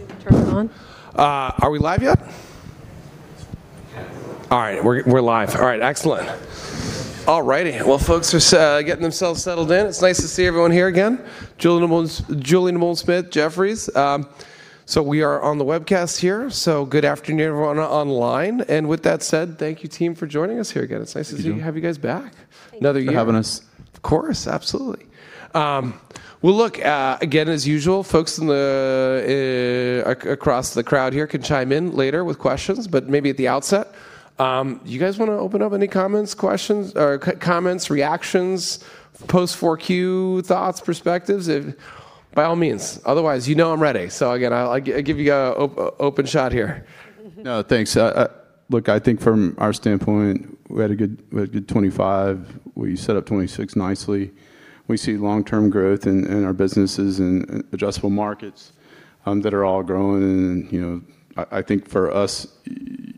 See if it turns on. Are we live yet? Yes. All right. We're live. All right, excellent. All righty. Well, folks just getting themselves settled in. It's nice to see everyone here again. Julien Dumoulin-Smith, Jefferies. We are on the webcast here, so good afternoon everyone online. With that said, thank you team for joining us here again. Thank you. It's nice to have you guys back. Thank you. Another year. Thank you for having us. Of course. Absolutely. Well look, again, as usual, folks across the crowd here can chime in later with questions. Maybe at the outset, do you guys wanna open up any comments, questions or comments, reactions, post four Q thoughts, perspectives? By all means. Otherwise, you know I'm ready. Again, I'll give you an open shot here. No, thanks. look, I think from our standpoint, we had a good 25. We set up 26 nicely. We see long-term growth in our businesses and adjustable markets, that are all growing and, you know, I think for us,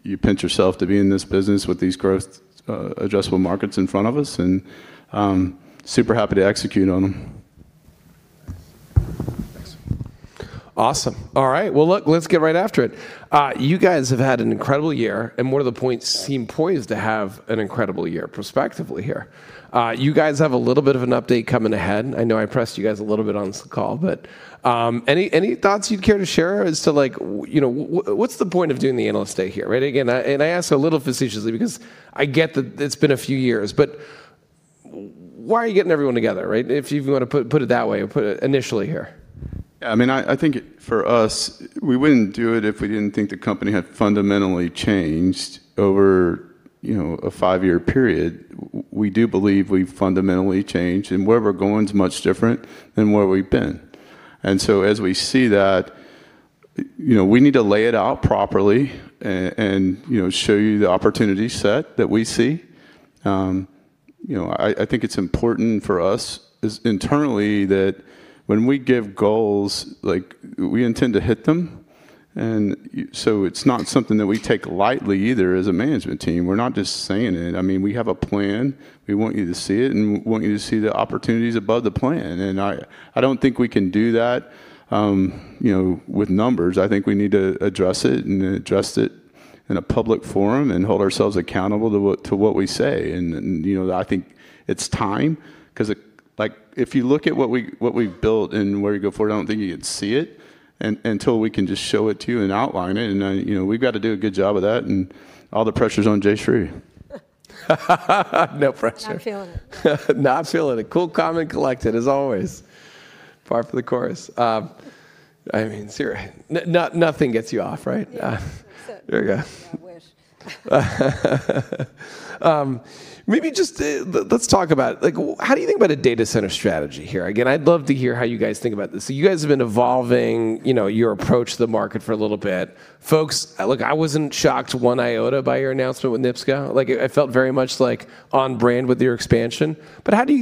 you pinch yourself to be in this business with these growth, adjustable markets in front of us, and, super happy to execute on them. Thanks. Awesome. All right. Well, look, let's get right after it. You guys have had an incredible year. One of the points seem poised to have an incredible year prospectively here. You guys have a little bit of an update coming ahead. I know I pressed you guys a little bit on this call, but, any thoughts you'd care to share as to like, you know, what's the point of doing the Analyst Day here, right? Again, I ask a little facetiously because I get that it's been a few years, but why are you getting everyone together, right? If you wanna put it that way, put it initially here. Yeah. I mean, I think for us, we wouldn't do it if we didn't think the company had fundamentally changed over, you know, a five-year period. We do believe we've fundamentally changed, where we're going is much different than where we've been. As we see that, you know, we need to lay it out properly and, you know, show you the opportunity set that we see. You know, I think it's important for us is internally that when we give goals, like, we intend to hit them. So it's not something that we take lightly either as a management team. We're not just saying it. I mean, we have a plan. We want you to see it, we want you to see the opportunities above the plan. I don't think we can do that, you know, with numbers. I think we need to address it and address it in a public forum and hold ourselves accountable to what we say. You know, I think it's time 'cause it, like, if you look at what we've built and where we go forward, I don't think you'd see it until we can just show it to you and outline it. You know, we've got to do a good job of that, and all the pressure's on Jayshree. No pressure. Not feeling it. Not feeling it. Cool, calm, and collected as always. Par for the course. I mean, serious. Nothing gets you off, right? Yeah. Uh. That's it. There you go. I wish. Maybe let's talk about, like, how do you think about a data center strategy here? Again, I'd love to hear how you guys think about this. You guys have been evolving, you know, your approach to the market for a little bit. Folks, look, I wasn't shocked one iota by your announcement with NIPSCO. Like, it felt very much like on brand with your expansion. How do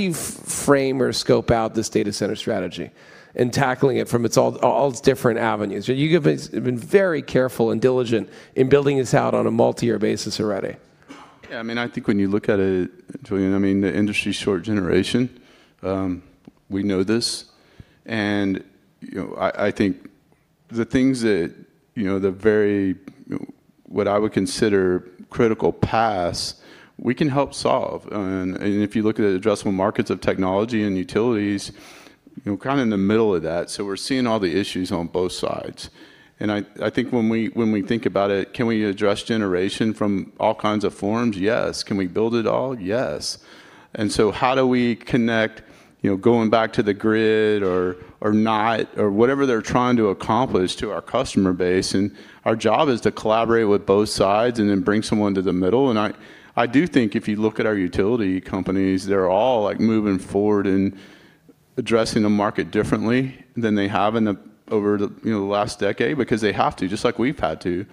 you frame or scope out this data center strategy and tackling it from all its different avenues? You guys have been very careful and diligent in building this out on a multi-year basis already. Yeah. I mean, I think when you look at it, Julien, I mean, the industry's short generation. We know this. You know, I think the things that, you know, the very, what I would consider critical paths we can help solve. If you look at the addressable markets of technology and utilities, we're kind of in the middle of that. We're seeing all the issues on both sides. I think when we, when we think about it, can we address generation from all kinds of forms? Yes. Can we build it all? Yes. How do we connect, you know, going back to the grid or not, or whatever they're trying to accomplish to our customer base, and our job is to collaborate with both sides and then bring someone to the middle. I do think if you look at our utility companies, they're all like moving forward and addressing the market differently than they have over the, you know, the last decade because they have to, just like we've had to.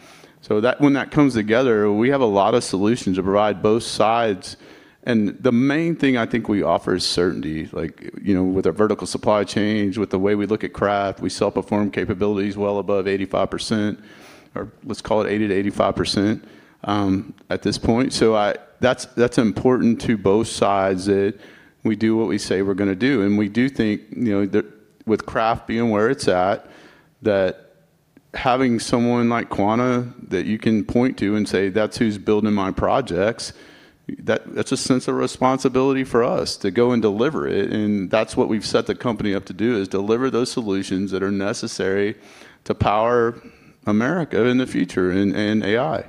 When that comes together, we have a lot of solutions to provide both sides. The main thing I think we offer is certainty, like, you know, with our vertical supply chains, with the way we look at craft, we self-perform capabilities well above 85%, or let's call it 80%-85% at this point. That's important to both sides that we do what we say we're gonna do. We do think, you know, that with craft being where it's at, that having someone like Quanta that you can point to and say, "That's who's building my projects," that's a sense of responsibility for us to go and deliver it, and that's what we've set the company up to do, is deliver those solutions that are necessary to power America in the future and AI.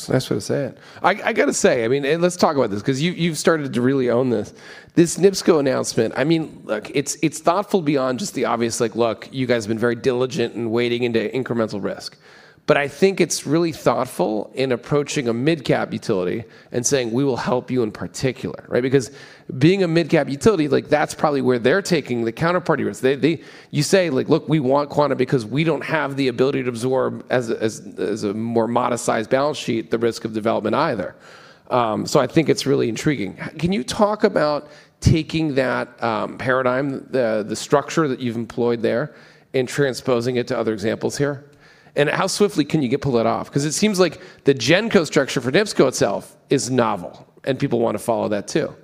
It's a nice way to say it. I gotta say, I mean, let's talk about this 'cause you've started to really own this. This NIPSCO announcement, I mean, look, it's thoughtful beyond just the obvious like, look, you guys have been very diligent in wading into incremental risk. I think it's really thoughtful in approaching a midcap utility and saying, "We will help you in particular." Right? Because being a midcap utility, like, that's probably where they're taking the counterparty risk. They you say like, "Look, we want Quanta because we don't have the ability to absorb as a more modest-sized balance sheet the risk of development either." So I think it's really intriguing. Can you talk about taking that paradigm, the structure that you've employed there? Transposing it to other examples here. How swiftly can you pull that off? Because it seems like the GenCo structure for NIPSCO itself is novel, and people want to follow that too.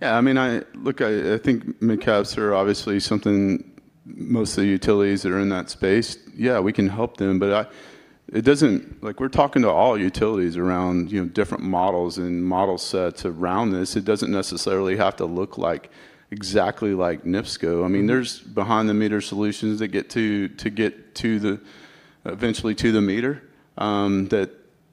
I mean, look, I think MCAPS are obviously something most of the utilities that are in that space, yeah, we can help them. It doesn't, like, we're talking to all utilities around, you know, different models and model sets around this. It doesn't necessarily have to look like exactly like NIPSCO. I mean, there's behind-the-meter solutions that get to, eventually to the meter, that,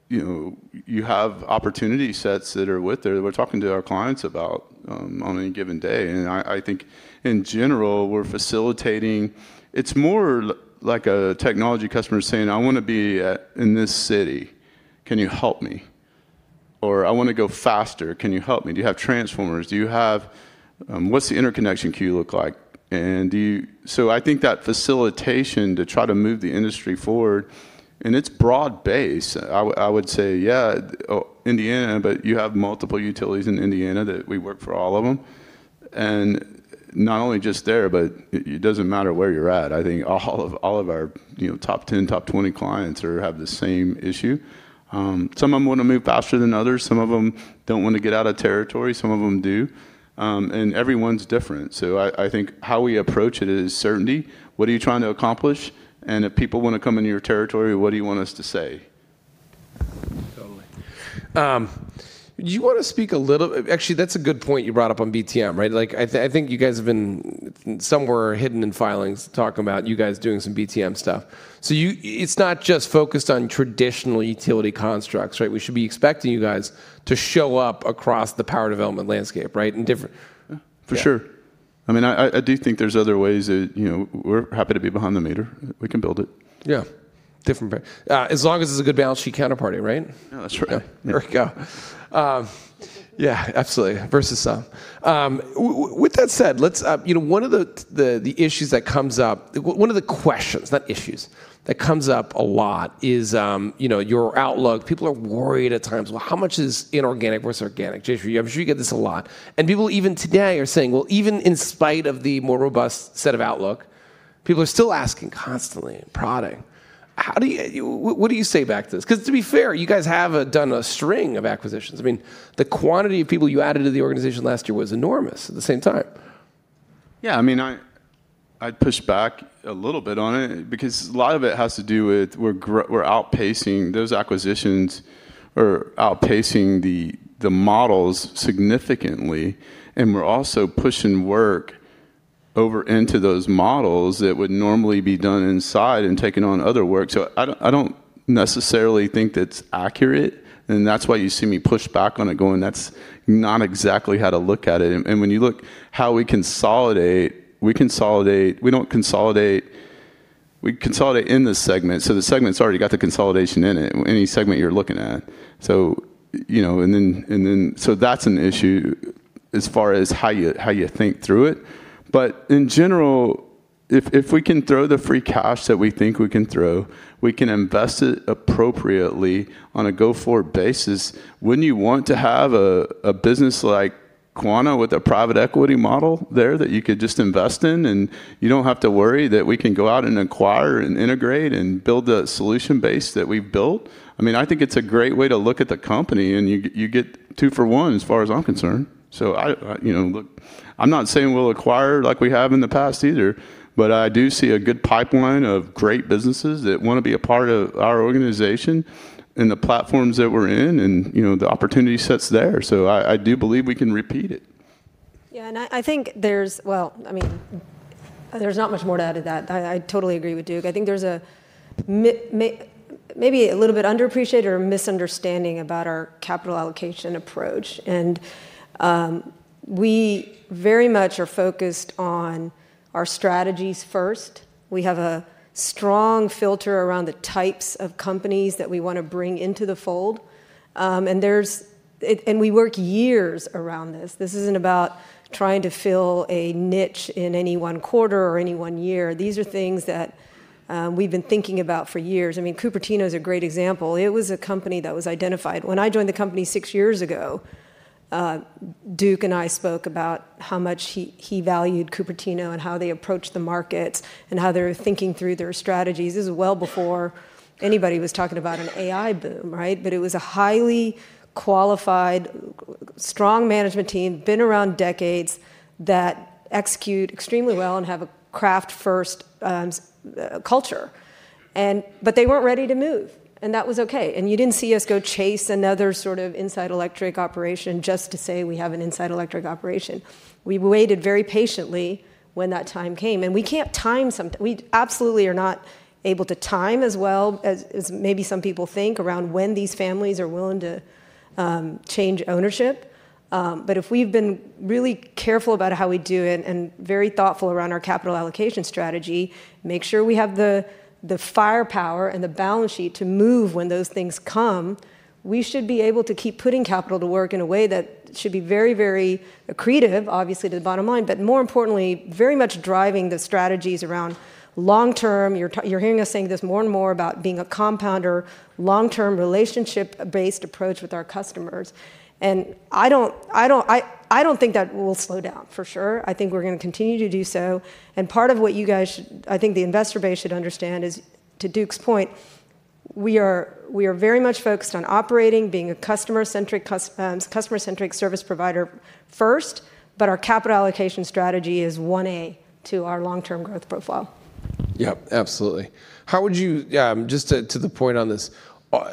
you know, you have opportunity sets that are with there. We're talking to our clients about on any given day. I think in general, we're facilitating. It's more like a technology customer saying, "I wanna be in this city. Can you help me?" Or, "I wanna go faster. Can you help me? Do you have transformers? Do you have? What's the interconnection queue look like? Do you..." So I think that facilitation to try to move the industry forward, and it's broad base. I would say, yeah, oh, Indiana, but you have multiple utilities in Indiana that we work for all of them. Not only just there, but it doesn't matter where you're at. I think all of our, you know, top 10, top 20 clients have the same issue. Some of them wanna move faster than others. Some of them don't wanna get out of territory. Some of them do. Everyone's different. So I think how we approach it is certainty. What are you trying to accomplish? If people wanna come into your territory, what do you want us to say? Totally. Do you wanna speak a little? Actually, that's a good point you brought up on BTM, right? Like, I think you guys have been somewhere hidden in filings talking about you guys doing some BTM stuff. It's not just focused on traditional utility constructs, right? We should be expecting you guys to show up across the power development landscape, right? In different- For sure. I mean, I do think there's other ways that, you know, we're happy to be behind the meter. We can build it. Yeah. Different but... As long as it's a good balance sheet counterparty, right? Yeah, that's right. Yeah. There we go. Yeah, absolutely, versus. With that said, let's. You know, one of the issues that comes up. One of the questions, not issues, that comes up a lot is, you know, your outlook. People are worried at times. Well, how much is inorganic versus organic? I'm sure you get this a lot. People even today are saying, "Well, even in spite of the more robust set of outlook," people are still asking constantly and prodding. What do you say back to this? To be fair, you guys have done a string of acquisitions. I mean, the quantity of people you added to the organization last year was enormous at the same time. Yeah, I mean, I'd push back a little bit on it because a lot of it has to do with we're outpacing those acquisitions or outpacing the models significantly, and we're also pushing work over into those models that would normally be done inside and taking on other work. I don't, I don't necessarily think that's accurate, and that's why you see me push back on it going, "That's not exactly how to look at it." When you look how we consolidate, we consolidate. We don't consolidate. We consolidate in this segment, so the segment's already got the consolidation in it, any segment you're looking at. You know, and then that's an issue as far as how you, how you think through it. In general, if we can throw the free cash that we think we can throw, we can invest it appropriately on a go-forward basis. Wouldn't you want to have a business like Quanta with a private equity model there that you could just invest in and you don't have to worry that we can go out and acquire and integrate and build the solution base that we've built? I mean, I think it's a great way to look at the company, and you get two for one as far as I'm concerned. I, you know, look, I'm not saying we'll acquire like we have in the past either, but I do see a good pipeline of great businesses that wanna be a part of our organization and the platforms that we're in and, you know, the opportunity sets there. I do believe we can repeat it. Yeah, I think there's... Well, I mean, there's not much more to add to that. I totally agree with Duke. I think there's a maybe a little bit underappreciated or misunderstanding about our capital allocation approach. We very much are focused on our strategies first. We have a strong filter around the types of companies that we wanna bring into the fold. There's. We work years around this. This isn't about trying to fill a niche in any one quarter or any one year. These are things that we've been thinking about for years. I mean, Cupertino is a great example. It was a company that was identified. When I joined the company six years ago, Duke and I spoke about how much he valued Cupertino and how they approach the markets and how they're thinking through their strategies. This is well before anybody was talking about an AI boom, right? But it was a highly qualified, strong management team, been around decades, that execute extremely well and have a craft-first culture. But they weren't ready to move, and that was okay. You didn't see us go chase another sort of inside electric operation just to say we have an inside electric operation. We waited very patiently when that time came, and we can't time something. We absolutely are not able to time as well as maybe some people think around when these families are willing to change ownership. If we've been really careful about how we do it and very thoughtful around our capital allocation strategy, make sure we have the firepower and the balance sheet to move when those things come, we should be able to keep putting capital to work in a way that should be very, very accretive, obviously, to the bottom line, but more importantly, very much driving the strategies around long-term. You're hearing us saying this more and more about being a compounder, long-term, relationship-based approach with our customers. I don't think that will slow down for sure. I think we're gonna continue to do so. Part of what you guys should... I think the investor base should understand is, to Duke's point. We are very much focused on operating, being a customer-centric service provider first, but our capital allocation strategy is one A to our long-term growth profile. Yep, absolutely. Yeah, just to the point on this,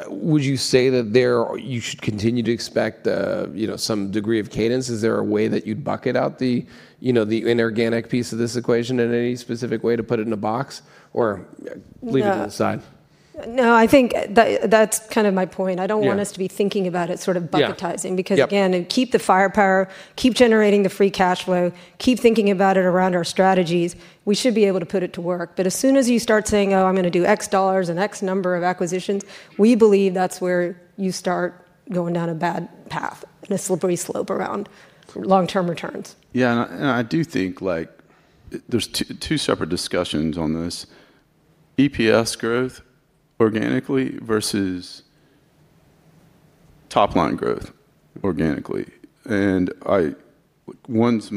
would you say that there you should continue to expect, you know, some degree of cadence? Is there a way that you'd bucket out the, you know, the inorganic piece of this equation in any specific way to put it in a box or leave it to the side? No, I think that's kind of my point. Yeah. I don't want us to be thinking about it sort of bucketizing- Yeah. Yep. because again, keep the firepower, keep generating the free cash flow, keep thinking about it around our strategies. We should be able to put it to work. As soon as you start saying, "Oh, I'm gonna do X dollars and X number of acquisitions," we believe that's where you start going down a bad path and a slippery slope around long-term returns. Yeah, I do think, like, there's two separate discussions on this. EPS growth organically versus top line growth organically. One's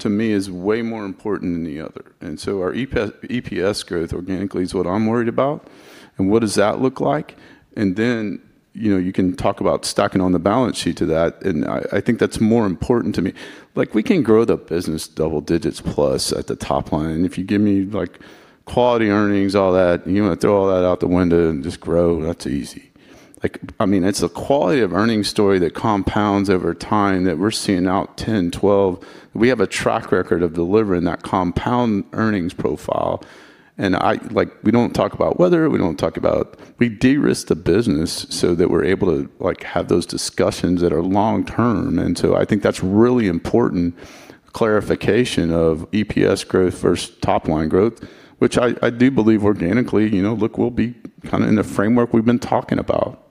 to me, is way more important than the other. Our EPS growth organically is what I'm worried about and what does that look like? You know, you can talk about stacking on the balance sheet to that, I think that's more important to me. Like, we can grow the business double-digits plus at the top line. If you give me, like, quality earnings, all that, you know, throw all that out the window and just grow, that's easy. Like, I mean, it's the quality of earnings story that compounds over time that we're seeing out 10, 12. We have a track record of delivering that compound earnings profile. Like, we don't talk about weather, we don't talk about... We de-risk the business so that we're able to, like, have those discussions that are long term. I think that's really important clarification of EPS growth versus top line growth, which I do believe organically, you know, look, we'll be kind of in the framework we've been talking about.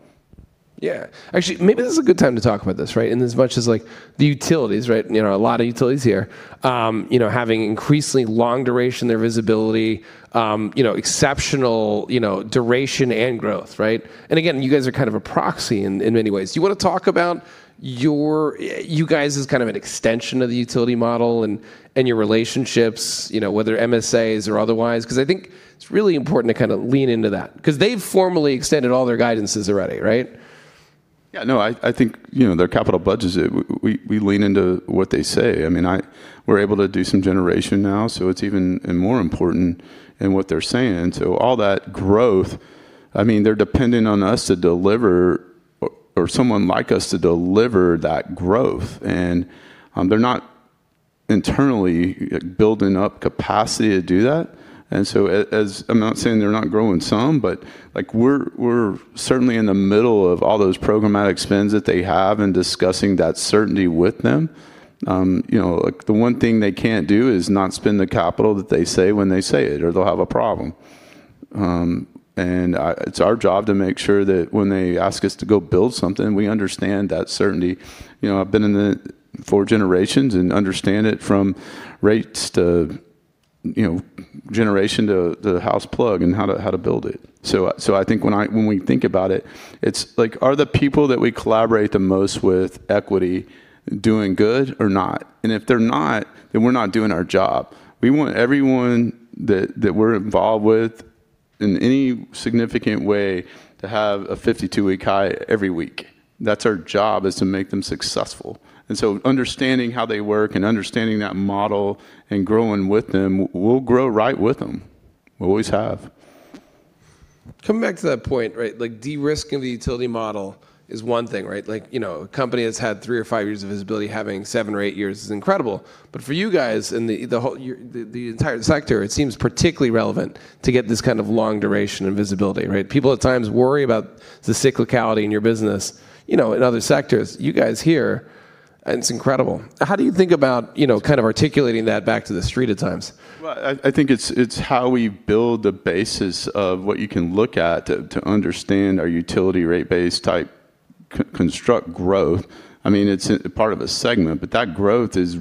Yeah. Actually, maybe this is a good time to talk about this, right? In as much as, like, the utilities, right? You know, a lot of utilities here, you know, having increasingly long duration, their visibility, you know, exceptional, you know, duration and growth, right? Again, you guys are kind of a proxy in many ways. Do you wanna talk about your, you guys as kind of an extension of the utility model and your relationships, you know, whether MSAs or otherwise? I think it's really important to kinda lean into that. They've formally extended all their guidances already, right? No, I think, you know, their capital budgets, we lean into what they say. I mean, we're able to do some generation now, so it's even more important in what they're saying. All that growth, I mean, they're dependent on us to deliver or someone like us to deliver that growth. They're not internally building up capacity to do that. As I'm not saying they're not growing some, but, like, we're certainly in the middle of all those programmatic spends that they have and discussing that certainty with them. You know, like, the one thing they can't do is not spend the capital that they say when they say it or they'll have a problem. It's our job to make sure that when they ask us to go build something, we understand that certainty. You know, I've been in the for generations and understand it from rates to, you know, generation to house plug and how to, how to build it. So I think when we think about it's like, are the people that we collaborate the most with equity doing good or not? If they're not, then we're not doing our job. We want everyone that we're involved with in any significant way to have a 52-week high every week. That's our job, is to make them successful. Understanding how they work and understanding that model and growing with them, we'll grow right with them. We always have. Coming back to that point, right, like, de-risking the utility model is one thing, right? Like, you know, a company that's had three or five years of visibility having seven or eight years is incredible. For you guys and the whole entire sector, it seems particularly relevant to get this kind of long duration and visibility, right? People at times worry about the cyclicality in your business, you know, in other sectors. You guys here, it's incredible. How do you think about, you know, kind of articulating that back to the street at times? Well, I think it's how we build the basis of what you can look at to understand our utility rate base type c-construct growth. I mean, it's a part of a segment, but that growth is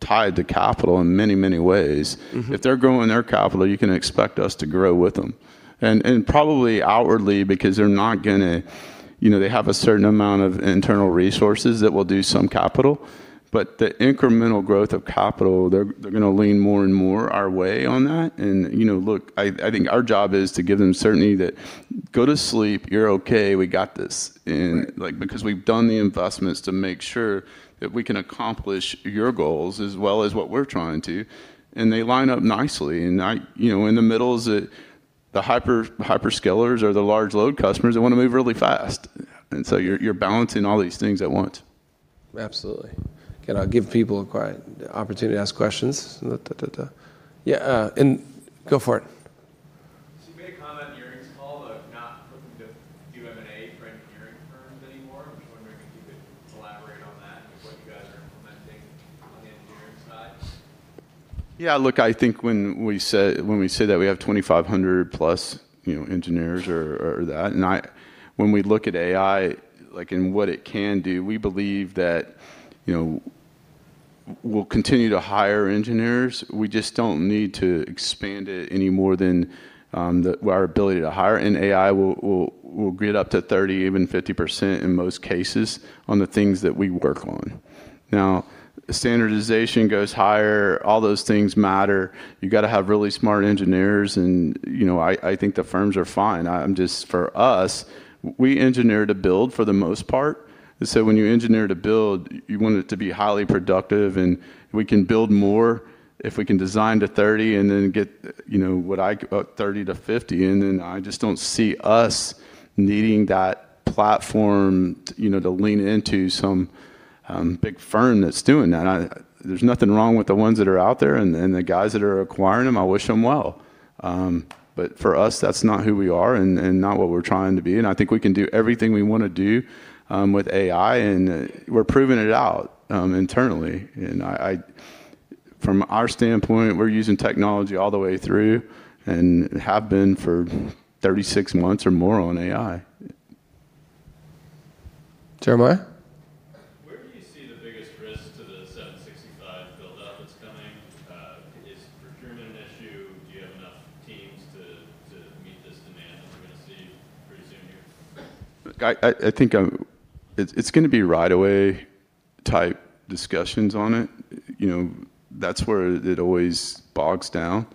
tied to capital in many ways. Mm-hmm. If they're growing their capital, you can expect us to grow with them. Probably outwardly because they're not gonna. You know, they have a certain amount of internal resources that will do some capital. The incremental growth of capital, they're gonna lean more and more our way on that. You know, look, I think our job is to give them certainty that, "Go to sleep, you're okay, we got this. Right. Like, because we've done the investments to make sure that we can accomplish your goals as well as what we're trying to, and they line up nicely. You know, in the middle is the hyperscalers or the large load customers that wanna move really fast. You're balancing all these things at once. Absolutely. Gonna give people a opportunity to ask questions. Yeah, go for it. You made a comment in the earnings call about not looking to do M&A for engineering firms anymore. I'm just wondering if you could elaborate on that, what you guys are implementing on the engineering side? Yeah, look, I think when we say that we have 2,500+ you know, engineers or that. When we look at AI, like, and what it can do, we believe that, you know, we'll continue to hire engineers. We just don't need to expand it any more than our ability to hire. AI will get up to 30%, even 50% in most cases on the things that we work on. Now, standardization goes higher. All those things matter. You gotta have really smart engineers and, you know, I think the firms are fine. For us, we engineer to build for the most part. When you engineer to build, you want it to be highly productive, and we can build more if we can design to 30 and then get, you know, 30 to 50. Then I just don't see us needing that platform you know, to lean into some big firm that's doing that. There's nothing wrong with the ones that are out there and the guys that are acquiring them. I wish them well. For us, that's not who we are and not what we're trying to be. I think we can do everything we wanna do with AI, and we're proving it out internally. From our standpoint, we're using technology all the way through and have been for 36 months or more on AI. Jeremiah? Where do you see the biggest risk to the 765 build-up that's coming? Is procurement an issue? Do you have enough teams to meet this demand that we're gonna see pretty soon here? I think it's gonna be right-of-way type discussions on it. You know, that's where it always bogs down.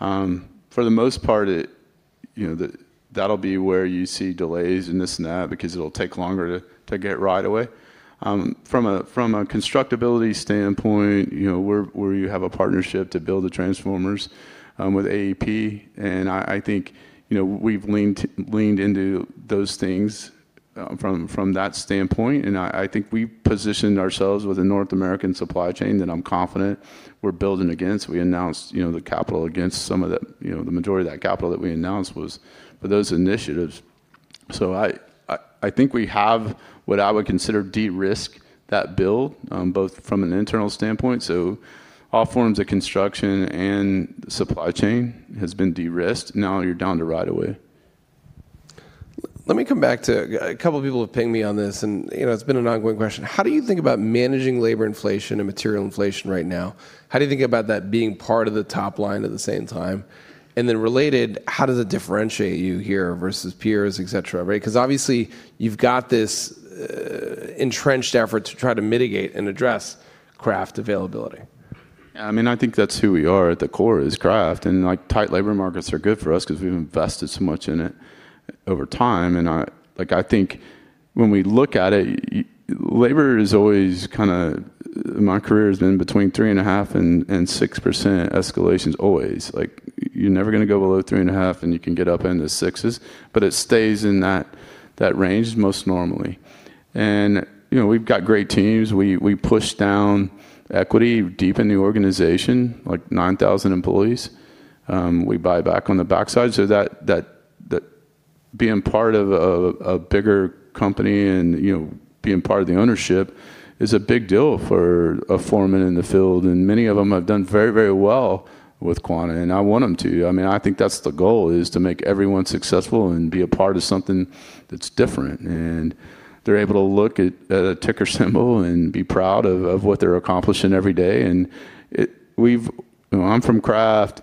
For the most part, it, you know, that'll be where you see delays and this and that because it'll take longer to get right-of-way. From a constructability standpoint, you know, we have a partnership to build the transformers with AP. I think, you know, we've leaned into those things from that standpoint. I think we positioned ourselves with a North American supply chain that I'm confident we're building against. We announced, you know, the capital against some of the, you know, the majority of that capital that we announced was for those initiatives. I think we have what I would consider de-risk that build, both from an internal standpoint, so all forms of construction and supply chain has been de-risked. Now you're down to right-of-way. Let me come back to a couple of people have pinged me on this and, you know, it's been an ongoing question. How do you think about managing labor inflation and material inflation right now? How do you think about that being part of the top line at the same time? Related, how does it differentiate you here versus peers, et cetera, right? 'Cause obviously you've got this entrenched effort to try to mitigate and address craft availability. I mean, I think that's who we are at the core is craft, and like, tight labor markets are good for us 'cause we've invested so much in it over time. Like, I think when we look at it, labor is always kinda, My career has been between three and a half and 6% escalations always. Like, you're never gonna go below three and a half, and you can get up into sixes, but it stays in that range most normally. You know, we've got great teams. We push down equity deep in the organization, like 9,000 employees. We buy back on the backside so that being part of a bigger company and, you know, being part of the ownership is a big deal for a foreman in the field. Many of them have done very, very well with Quanta, and I want them to. I mean, I think that's the goal, is to make everyone successful and be a part of something that's different. They're able to look at a ticker symbol and be proud of what they're accomplishing every day. You know, I'm from craft,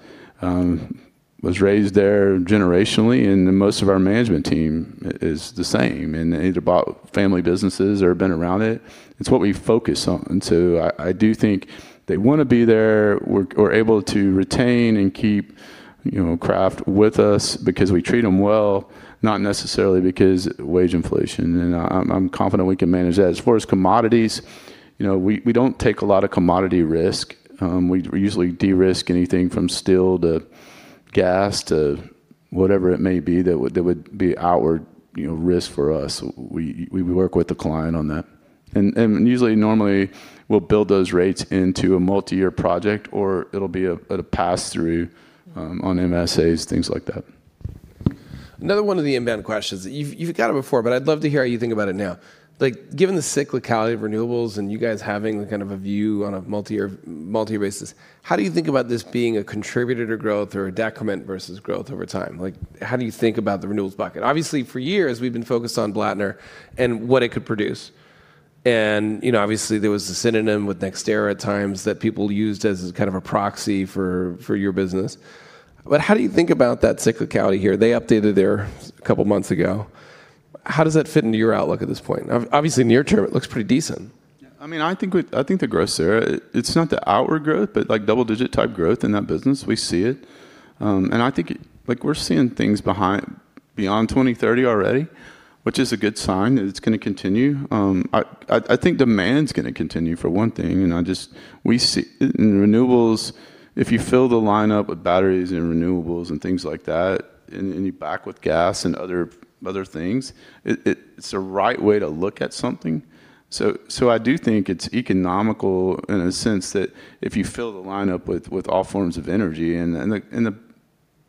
was raised there generationally, and most of our management team is the same. They either bought family businesses or been around it. It's what we focus on. I do think they wanna be there. We're able to retain and keep, you know, craft with us because we treat them well, not necessarily because wage inflation. I'm confident we can manage that. As far as commodities, you know, we don't take a lot of commodity risk. We usually de-risk anything from steel to gas to whatever it may be that would be outward, you know, risk for us. We work with the client on that. Usually, normally we'll build those rates into a multi-year project or it'll be a pass-through on MSAs, things like that. Another one of the inbound questions. You've got it before, but I'd love to hear how you think about it now. Like, given the cyclicality of renewables and you guys having kind of a view on a multi-year, multi basis, how do you think about this being a contributor to growth or a detriment versus growth over time? Like, how do you think about the renewables bucket? Obviously, for years we've been focused on Blattner and what it could produce. You know, obviously there was a synonym with NextEra at times that people used as kind of a proxy for your business. But how do you think about that cyclicality here? They updated their a couple of months ago. How does that fit into your outlook at this point? Obviously, near term, it looks pretty decent. I mean, I think the growth there, it's not the outward growth, but like double-digit type growth in that business, we see it. I think, like, we're seeing things beyond 2030 already, which is a good sign that it's gonna continue. I think demand's gonna continue for one thing. You know, just we see In renewables, if you fill the lineup with batteries and renewables and things like that, and you back with gas and other things, it's the right way to look at something. I do think it's economical in a sense that if you fill the lineup with all forms of energy, and the,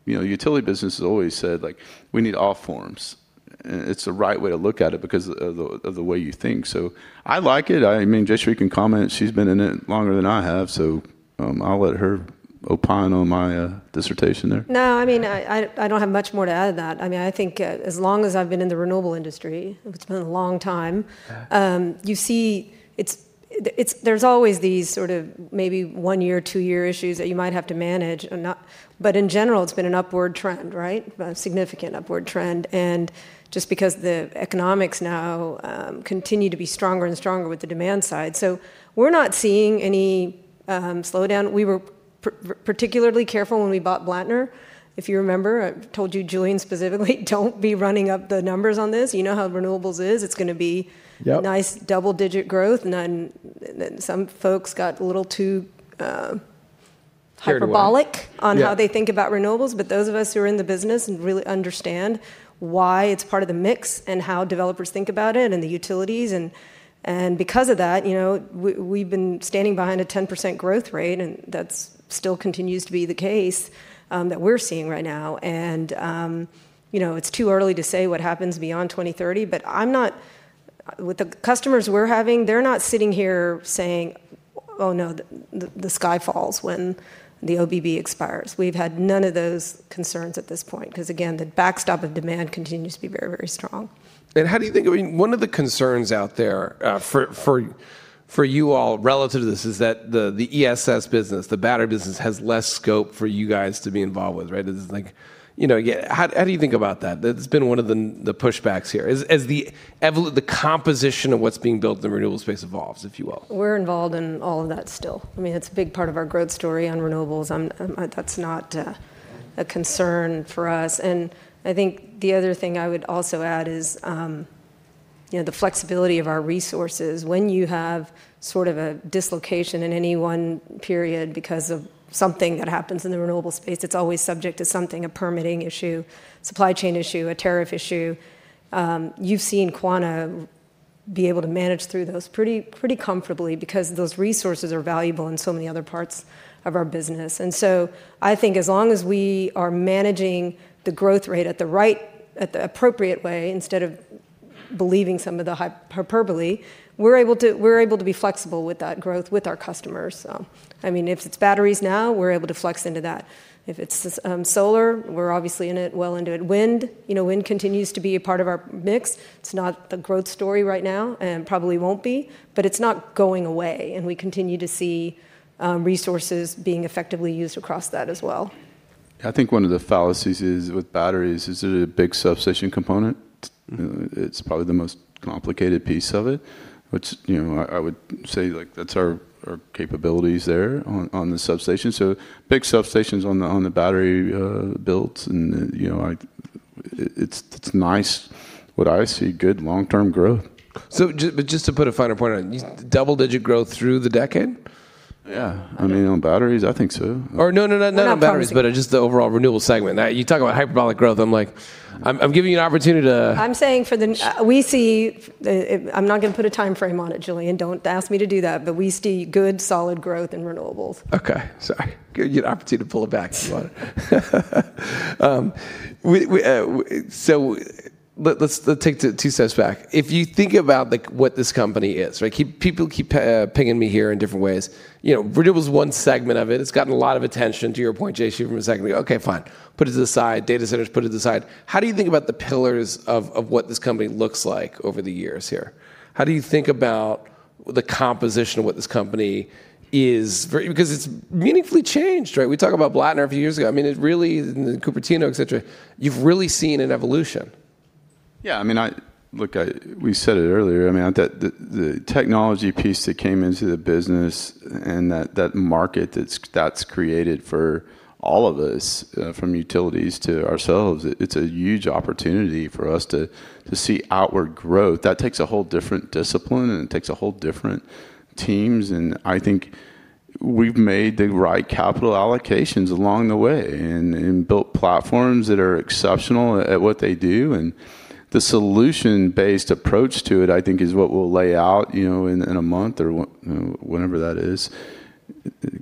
you know, utility business has always said, like, we need all forms. It's the right way to look at it because of the way you think. I like it. I mean, Jayshree can comment. She's been in it longer than I have, so, I'll let her opine on my dissertation there. No, I mean, I don't have much more to add to that. I mean, I think, as long as I've been in the renewable industry, it's been a long time. Yeah You see. There's always these sort of maybe one-year, two-year issues that you might have to manage and not... In general, it's been an upward trend, right? A significant upward trend, just because the economics now continue to be stronger and stronger with the demand side. We're not seeing any slowdown. We were particularly careful when we bought Blattner. If you remember, I told you, Julien, specifically, "Don't be running up the numbers on this. You know how renewables is. It's gonna be... Yep... nice double-digit growth." Then some folks got a little too. Carried away.... hyperbolic- Yeah on how they think about renewables. Those of us who are in the business and really understand why it's part of the mix and how developers think about it and the utilities and because of that, you know, we've been standing behind a 10% growth rate, that still continues to be the case that we're seeing right now. You know, it's too early to say what happens beyond 2030, With the customers we're having, they're not sitting here saying, "Oh no, the sky falls when the OBB expires." We've had none of those concerns at this point, because again, the backstop of demand continues to be very, very strong. How do you think... I mean, one of the concerns out there, for you all relative to this is that the ESS business, the battery business, has less scope for you guys to be involved with, right? This is like, you know, yeah, how do you think about that? That's been one of the pushbacks here. As the composition of what's being built in the renewables space evolves, if you will. We're involved in all of that still. I mean, that's a big part of our growth story on renewables. That's not a concern for us. I think the other thing I would also add is, you know, the flexibility of our resources. When you have sort of a dislocation in any one period because of something that happens in the renewables space, it's always subject to something, a permitting issue, supply chain issue, a tariff issue. You've seen Quanta be able to manage through those pretty comfortably because those resources are valuable in so many other parts of our business. I think as long as we are managing the growth rate at the appropriate way instead of believing some of the hyperbole, we're able to be flexible with that growth with our customers. I mean, if it's batteries now, we're able to flex into that. If it's solar, we're obviously in it, well into it. Wind, you know, wind continues to be a part of our mix. It's not the growth story right now and probably won't be, but it's not going away, and we continue to see resources being effectively used across that as well. I think one of the fallacies is with batteries is the big substation component. It's probably the most complicated piece of it, which, you know, I would say, like, that's our capabilities there on the substation. Big substations on the battery builds and, you know, It's nice what I see, good long-term growth. Just to put a finer point on it, double-digit growth through the decade? Yeah. I mean, on batteries, I think so. no, no, not on batteries. We're not promising. Just the overall renewable segment. You talk about hyperbolic growth, I'm like... I'm giving you an opportunity to- I'm saying, we see... I'm not gonna put a timeframe on it, Julien. Don't ask me to do that. We see good, solid growth in renewables. Sorry. Good opportunity to pull it back if you want. Let's take two steps back. If you think about, like, what this company is, right? People keep pinging me here in different ways. You know, renewables is one segment of it. It's gotten a lot of attention, to your point, JC, from a segment. Fine. Put it to the side. Data centers, put it to the side. How do you think about the pillars of what this company looks like over the years here? How do you think about the composition of what this company is very? Because it's meaningfully changed, right? We talk about Blattner a few years ago. I mean, it really. Then Cupertino, et cetera. You've really seen an evolution. Yeah, I mean, we said it earlier. I mean, that, the technology piece that came into the business and that market that's created for all of us, from utilities to ourselves, it's a huge opportunity for us to see outward growth. That takes a whole different discipline, and it takes a whole different teams, and I think we've made the right capital allocations along the way and built platforms that are exceptional at what they do. The solution-based approach to it, I think, is what we'll lay out, you know, in a month or whenever that is.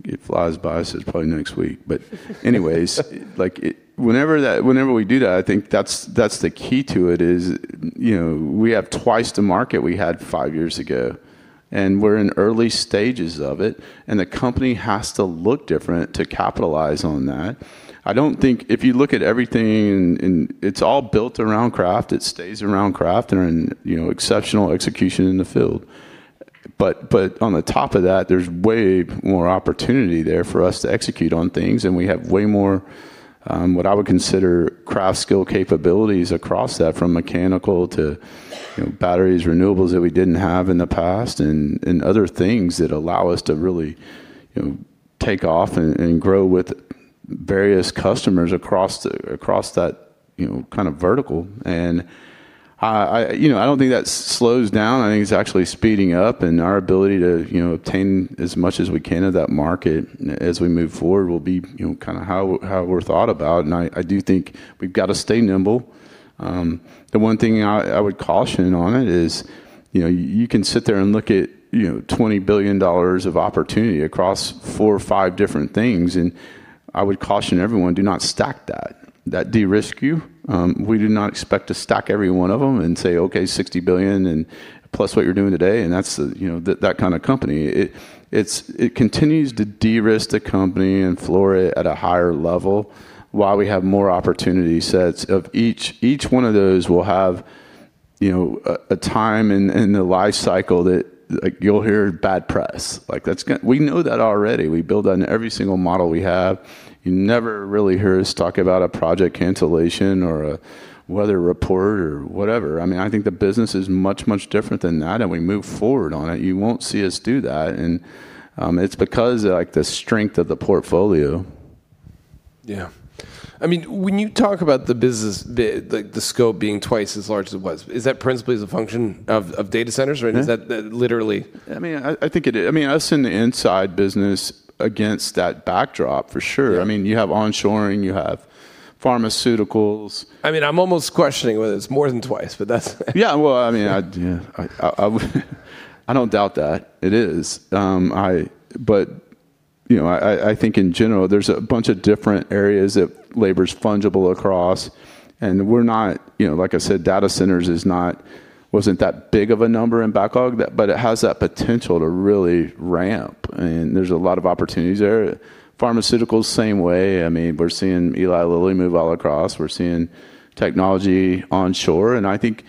It flies by us. It's probably next week. like, whenever that, whenever we do that, I think that's the key to it is, you know, we have twice the market we had five years ago, and we're in early stages of it, and the company has to look different to capitalize on that. I don't think... If you look at everything and it's all built around craft, it stays around craft and, you know, exceptional execution in the field. On the top of that, there's way more opportunity there for us to execute on things, and we have way more what I would consider craft skill capabilities across that, from mechanical to, you know, batteries, renewables that we didn't have in the past and other things that allow us to really, you know, take off and grow with various customers across that, you know, kind of vertical. I, you know, I don't think that slows down. I think it's actually speeding up, and our ability to, you know, obtain as much as we can of that market as we move forward will be, you know, kinda how we're thought about. I do think we've got to stay nimble. The one thing I would caution on it is, you know, you can sit there and look at, you know, $20 billion of opportunity across four or five different things, and I would caution everyone, do not stack that. That de-risk you. We do not expect to stack every one of them and say, "Okay, $60 billion and plus what you're doing today," and that's, you know, that kind of company. It, it's, it continues to de-risk the company and floor it at a higher level while we have more opportunity sets of each one of those will have. You know, a time in the life cycle that, like, you'll hear bad press. Like, we know that already. We build on every single model we have. You never really hear us talk about a project cancellation or a weather report or whatever. I mean, I think the business is much different than that, and we move forward on it. You won't see us do that, and it's because of, like, the strength of the portfolio. Yeah. I mean, when you talk about the business, the, like, the scope being twice as large as it was, is that principally as a function of data centers? Mm-hmm. Or is that, that literally- I mean, I think it is. I mean, us in the inside business against that backdrop for sure. Yeah. I mean, you have onshoring, you have pharmaceuticals. I mean, I'm almost questioning whether it's more than twice, but that's... Well, I mean, I, yeah, I don't doubt that. It is. You know, I think in general there's a bunch of different areas that labor's fungible across, and we're not... You know, like I said, data centers is not, wasn't that big of a number in backlog. It has that potential to really ramp, and there's a lot of opportunities there. Pharmaceuticals, same way. I mean, we're seeing Eli Lilly move all across. We're seeing technology onshore. I think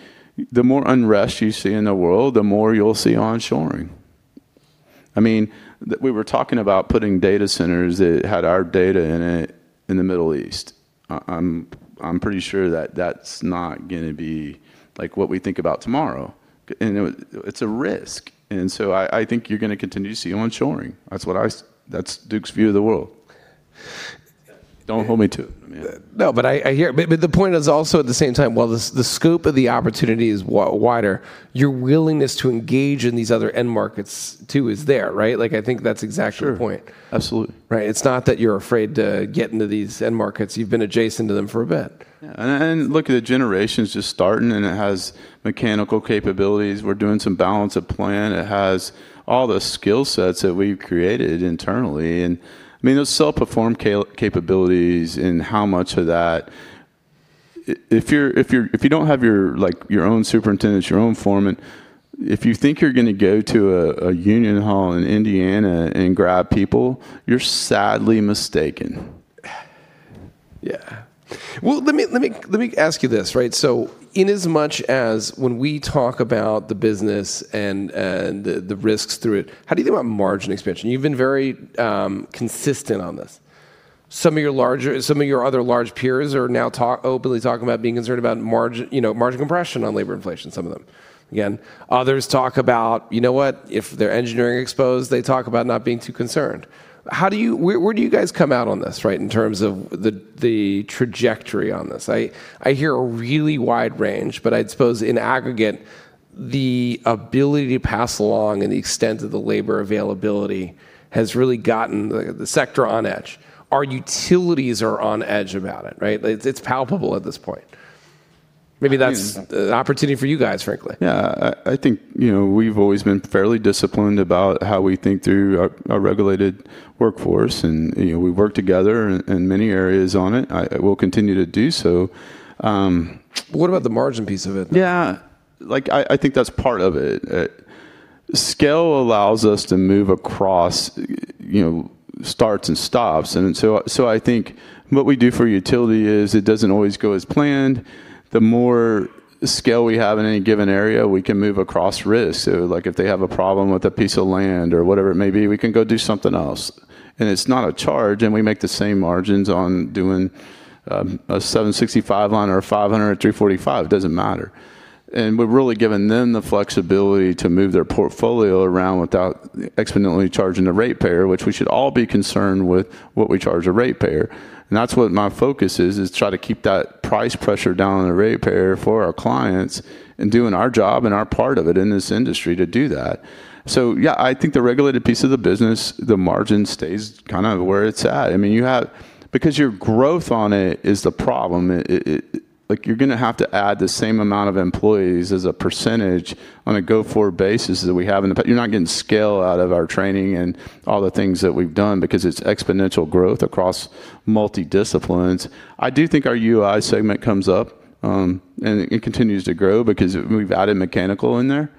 the more unrest you see in the world, the more you'll see onshoring. I mean, we were talking about putting data centers that had our data in it in the Middle East. I'm pretty sure that that's not gonna be, like, what we think about tomorrow. It's a risk. I think you're gonna continue to see onshoring. That's what that's Duke's view of the world. Don't hold me to it. I mean. No, I hear. The point is also at the same time, while the scope of the opportunity is wider, your willingness to engage in these other end markets too is there, right? Like, I think that's exactly the point. Sure. Absolutely. Right? It's not that you're afraid to get into these end markets. You've been adjacent to them for a bit. Yeah. Look, a generation's just starting, and it has mechanical capabilities. We're doing some balance of plant. It has all the skill sets that we've created internally. I mean, those self-performed capabilities and how much of that... If you don't have your, like, your own superintendents, your own foreman, if you think you're gonna go to a union hall in Indiana and grab people, you're sadly mistaken. Yeah. Well, let me ask you this, right? In as much as when we talk about the business and the risks through it, how do you think about margin expansion? You've been very consistent on this. Some of your larger, some of your other large peers are now openly talking about being concerned about margin, you know, compression on labor inflation, some of them. Others talk about, you know what, if they're engineering exposed, they talk about not being too concerned. How do you, where do you guys come out on this, right, in terms of the trajectory on this? I hear a really wide range, but I'd suppose in aggregate, the ability to pass along and the extent of the labor availability has really gotten the sector on edge. Our utilities are on edge about it, right? It's palpable at this point. Maybe that's- Please an opportunity for you guys, frankly. Yeah. I think, you know, we've always been fairly disciplined about how we think through our regulated workforce and, you know, we work together in many areas on it. We'll continue to do so. What about the margin piece of it? Yeah. Like, I think that's part of it. Scale allows us to move across, you know, starts and stops. I think what we do for utility is it doesn't always go as planned. The more scale we have in any given area, we can move across risks. Like if they have a problem with a piece of land or whatever it may be, we can go do something else. It's not a charge. We make the same margins on doing a 765 kV line or a 500 kV, a 345 kV. It doesn't matter. We've really given them the flexibility to move their portfolio around without exponentially charging the ratepayer, which we should all be concerned with what we charge a ratepayer. That's what my focus is try to keep that price pressure down on the ratepayer for our clients, and doing our job and our part of it in this industry to do that. Yeah, I think the regulated piece of the business, the margin stays kind of where it's at. I mean, you have. Your growth on it is the problem. It, like you're gonna have to add the same amount of employees as a percentage on a go-forward basis that we have you're not getting scale out of our training and all the things that we've done because it's exponential growth across multi-disciplines. I do think our UI segment comes up, and it continues to grow because we've added mechanical in there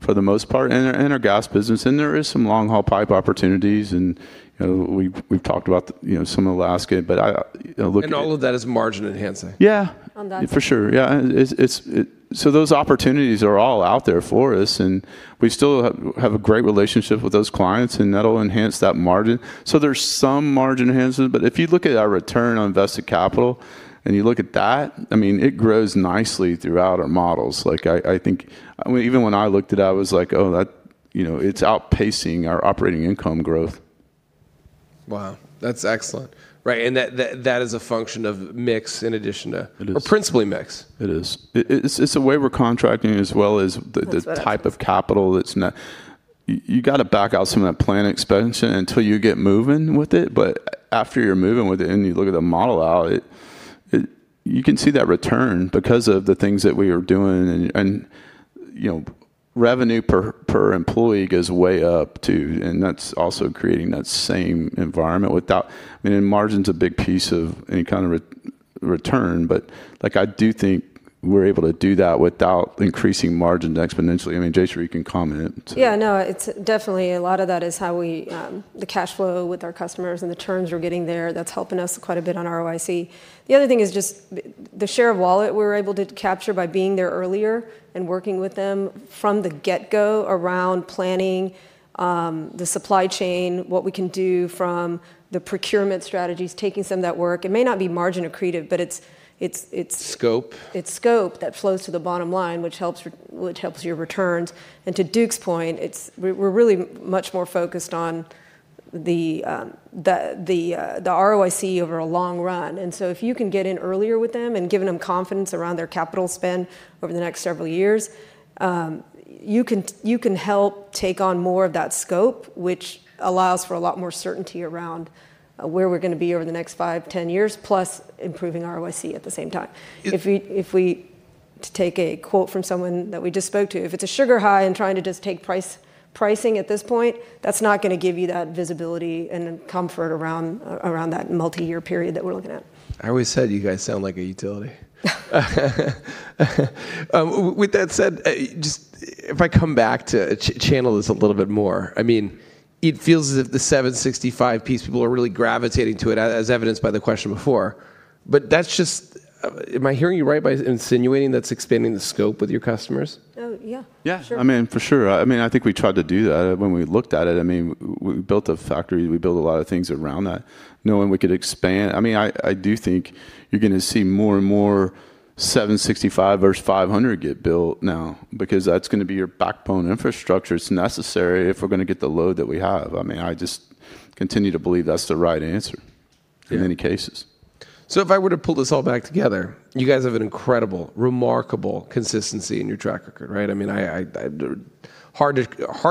for the most part, in our gas business, and there is some long-haul pipe opportunities, and, you know, we've talked about, you know, some in Alaska. I, you know. All of that is margin enhancing? Yeah. On that front. For sure. Yeah. It's those opportunities are all out there for us, and we still have a great relationship with those clients, and that'll enhance that margin. There's some margin enhancement, but if you look at our return on invested capital and you look at that, I mean, it grows nicely throughout our models. Like, I mean, even when I looked at that, I was like, "Oh, that, you know, it's outpacing our operating income growth. Wow. That's excellent. Right, that is a function of mix in addition to. It is.... or principally mix. It is. It's the way we're contracting as well as. That's better. Type of capital that's not. You gotta back out some of that plan expansion until you get moving with it. After you're moving with it and you look at the model out, it, you can see that return because of the things that we are doing and, you know, revenue per employee goes way up too, and that's also creating that same environment without. I mean, margin's a big piece of any kind of. Return, but, like, I do think we're able to do that without increasing margin exponentially. I mean, Jayshree can comment. Yeah, no, it's definitely a lot of that is how we the cash flow with our customers and the turns we're getting there, that's helping us quite a bit on ROIC. The other thing is just the share of wallet we're able to capture by being there earlier and working with them from the get-go around planning, the supply chain, what we can do from the procurement strategies, taking some of that work. It may not be margin accretive, but it's. Scope it's scope that flows to the bottom line, which helps your returns. To Duke's point, it's. We're really much more focused on the ROIC over a long run. If you can get in earlier with them and given them confidence around their capital spend over the next several years, you can help take on more of that scope, which allows for a lot more certainty around where we're gonna be over the next five-10 years, plus improving ROIC at the same time. If- To take a quote from someone that we just spoke to, if it's a sugar high and trying to just take price, pricing at this point, that's not gonna give you that visibility and comfort around that multi-year period that we're looking at. I always said you guys sound like a utility. With that said, just if I come back to channel this a little bit more, I mean, it feels as if the 765 piece, people are really gravitating to it as evidenced by the question before. That's just, am I hearing you right by insinuating that's expanding the scope with your customers? Oh, yeah. Yeah. Sure. I mean, for sure. I mean, I think we tried to do that when we looked at it. I mean, we built a factory, we built a lot of things around that knowing we could expand. I mean, I do think you're gonna see more and more 765 verse 500 get built now because that's gonna be your backbone infrastructure. It's necessary if we're gonna get the load that we have. I mean, I just continue to believe that's the right answer. Yeah... in many cases. If I were to pull this all back together, you guys have an incredible, remarkable consistency in your track record, right? I mean, I Hard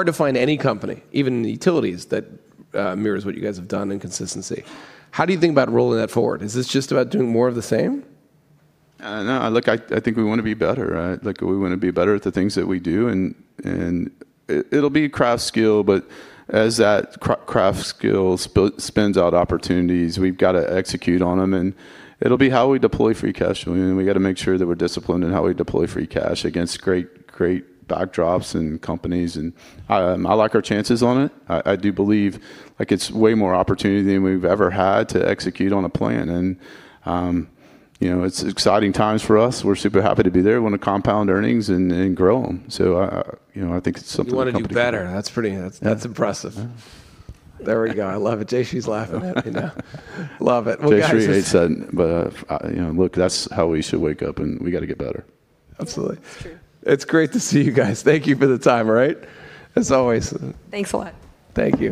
to find any company, even in utilities, that mirrors what you guys have done in consistency. How do you think about rolling that forward? Is this just about doing more of the same? No. Look, I think we wanna be better, right? Like, we wanna be better at the things that we do, and it'll be craft skill, but as that craft skill spins out opportunities, we've got to execute on them, and it'll be how we deploy free cash flow. I mean, we got to make sure that we're disciplined in how we deploy free cash against great backdrops and companies, and I like our chances on it. I do believe, like, it's way more opportunity than we've ever had to execute on a plan. You know, it's exciting times for us. We're super happy to be there. Wanna compound earnings and grow them. I, you know, I think it's something the company. You wanna do better. That's pretty, that's impressive. Yeah. There we go. I love it. Jayshree's laughing at me now. Love it. Guys- Jayshree hates that, but, you know, look, that's how we should wake up, and we got to get better. Absolutely. That's true. It's great to see you guys. Thank you for the time, right? As always. Thanks a lot. Thank you.